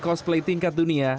kompetisi cosplay tingkat dunia